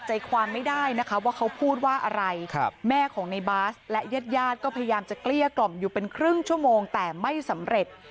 ใจความไม่ได้นะคะว่าเขาพูดว่าอะไรแม่ของในบาสและญาติญาติก็พยายามจะเกลี้ยกล่อมอยู่เป็นครึ่งชั่วโมงแต่ไม่สำเร็จ